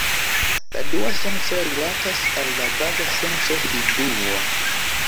La dua senco rilatas al la baza senco hindua.